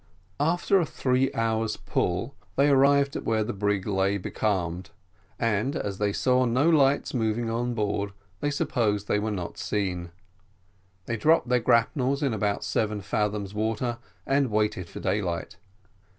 After a three hours' pull, they arrived to where the brig lay becalmed, and as they saw no lights moving on board, they supposed they were not seen. They dropped their grapnels in about seven fathoms water and waited for daylight.